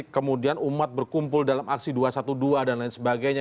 kemudian umat berkumpul dalam aksi dua ratus dua belas dan lain sebagainya